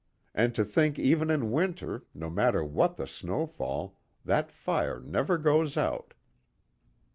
"And to think even in winter, no matter what the snowfall, that fire never goes out."